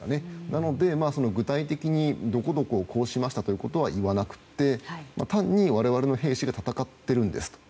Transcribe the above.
なので、具体的にどこどこをこうしましたとは言わなくて、単に我々の兵士が戦っているんですと。